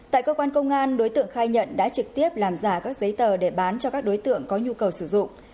tại cơ quan công an đối tượng khai nhận đã trực tiếp làm giả các giấy tờ để bán cho các đối tượng có nhu cầu sử dụng